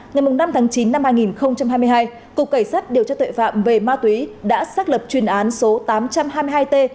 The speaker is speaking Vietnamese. ngày năm tháng chín năm hai nghìn hai mươi hai cục cảnh sát điều tra tuệ phạm về ma túy đã xác lập chuyên án số tám trăm hai mươi hai t